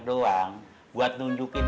doang buat nunjukin